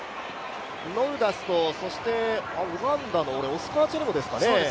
ノルダスとウガンダのオスカー・チェリモですかね。